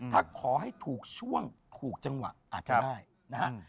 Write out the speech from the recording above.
ถ้าขอให้ถูกช่วงถูกจังหวะอาจจะได้นะฮะ